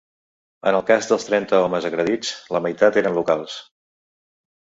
En el cas dels trenta homes agredits, la meitat eren locals.